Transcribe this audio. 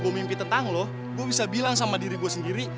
gue mimpi tentang loh gue bisa bilang sama diri gue sendiri